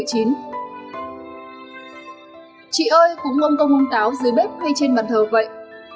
chị ơi cũng ông công ông táo dưới bếp hay trên bàn thờ vậy